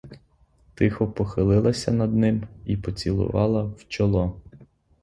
Тихо похилилася над ним і поцілувала в чоло.